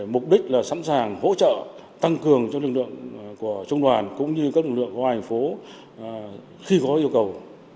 mục đích là sẵn sàng hỗ trợ tăng cường cho lực lượng của trung đoàn cũng như các lực lượng hoa hành phố khi có yêu cầu